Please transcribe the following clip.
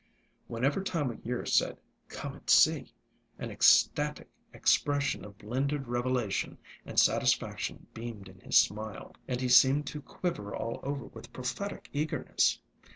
Whenever Time o' Year said, "Come and see!" an ecstatic expression of blended revelation and sat isfaction beamed in his smile, and he seemed to quiver all over with pro phetic eagerness.